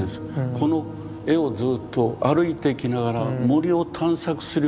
この絵をずっと歩いていきながら森を探索するように。